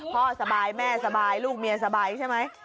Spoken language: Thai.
สบายแม่สบายลูกเมียสบายใช่ไหม